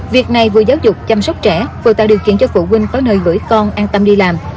việc này vừa giáo dục chăm sóc trẻ vừa tạo điều kiện cho phụ huynh có nơi gửi con an tâm đi làm